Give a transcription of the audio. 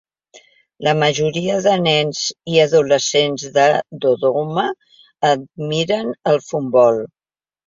La majoria de nens i adolescents de Dodoma admiren el futbol.